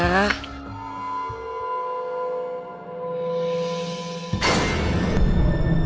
tunggu bu ranti